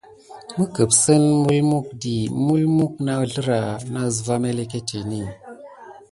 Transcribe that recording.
Mi kəpsen melmukdi mulmuk na əzlrah na əsva məleketen di.